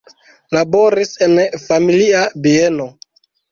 Laboris en familia bieno.